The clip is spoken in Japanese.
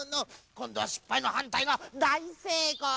こんどはしっぱいのはんたいはだいせいこうなのじゃ。